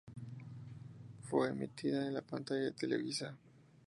Fue emitida en la pantalla de Televisa.